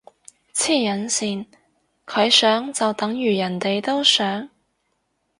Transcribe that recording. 黐撚線，佢想就等如人哋都想？